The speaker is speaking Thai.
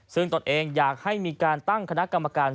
ซึ่งตนเองอยากให้มีการตั้งคณะกรรมการ